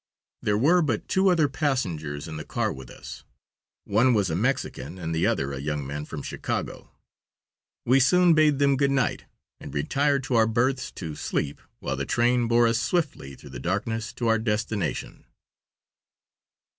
There were but two other passengers in the car with us. One was a Mexican and the other a young man from Chicago. We soon bade them good night, and retired to our berths to sleep while the train bore us swiftly through the darkness to our destination.